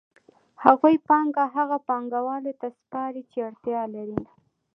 هغوی پانګه هغو پانګوالو ته سپاري چې اړتیا لري